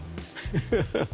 ハハハハ！